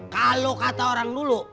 kalau kata orang dulu